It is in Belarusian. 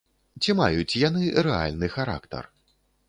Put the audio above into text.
Ці маюць яны рэальны характар?